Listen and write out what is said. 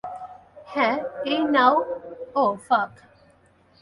হ্যাঁ এই নাও ওহ, ফাক!